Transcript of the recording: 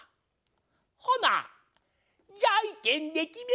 ほなじゃいけんできめよか。